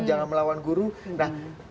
jangan melawan guru nah